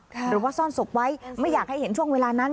หรือว่าซ่อนศพไว้ไม่อยากให้เห็นช่วงเวลานั้น